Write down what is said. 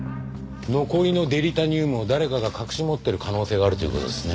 残りのデリタニウムを誰かが隠し持ってる可能性があるという事ですね。